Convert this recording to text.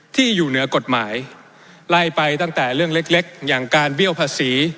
ที่อยู่เหนือกฎหมายไล่ไปตั้งแต่เรื่องเล็กอย่างการเบี้ยวภาษี